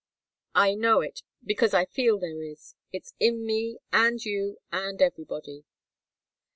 I know it, because I feel there is. It's in me, and you, and everybody."